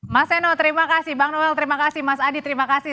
mas seno terima kasih bang noel terima kasih mas adi terima kasih